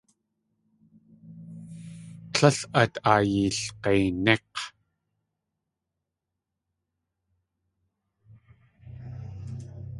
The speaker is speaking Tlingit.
Líl át ayilg̲einík̲!